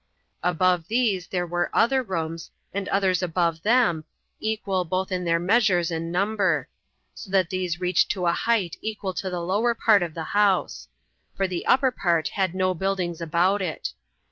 Above these there were other rooms, and others above them, equal, both in their measures and number; so that these reached to a height equal to the lower part of the house; for the upper part had no buildings about it.